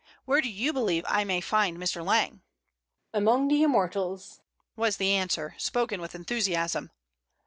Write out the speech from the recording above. Where do you believe I may find Mr. Lang?" "Among the Immortals," was the answer, spoken with enthusiasm.